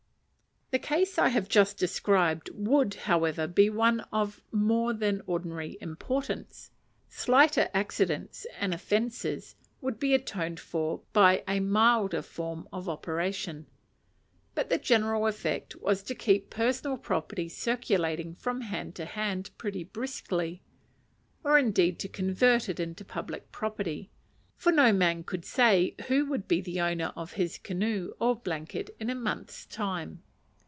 The case I have just described would, however, be one of more than ordinary importance; slighter "accidents and offences" would be atoned for by a milder form of operation. But the general effect was to keep personal property circulating from hand to hand pretty briskly, or indeed to convert it into public property; for no man could say who would be the owner of his canoe, or blanket, in a month's time.